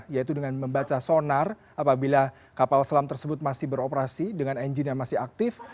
yaitu dengan membaca sonar apabila kapal selam tersebut masih beroperasi dengan engine yang masih aktif